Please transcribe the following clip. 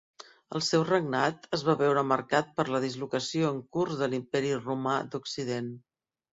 El seu regnat es va veure marcat per la dislocació en curs de l'imperi romà d'Occident.